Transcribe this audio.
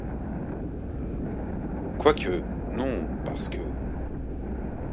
Quoique ? non, parce que.